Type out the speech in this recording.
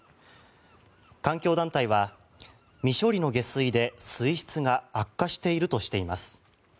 環境大臣は未処理の下水で水質が悪化しているとしています。